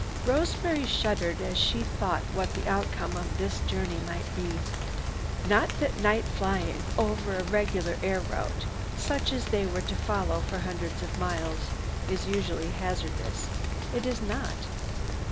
Rosemary shuddered as she thought what the outcome of this journey might be. Not that night flying over a regular air route, such as they were to follow for hundreds of miles, is usually hazardous. It is not.